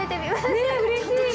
ねうれしい！